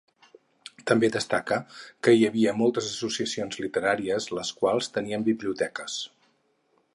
També destaca que hi havia moltes associacions literàries, les quals tenien biblioteques.